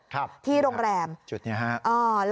ทำที่โรงแรมจุดเนี่ยฮะ